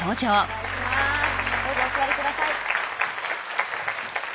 どうぞお座りください